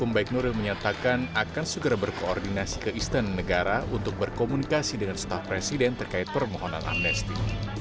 dan juga menyatakan akan segera berkoordinasi ke istana negara untuk berkomunikasi dengan staf presiden terkait permohonan amnesti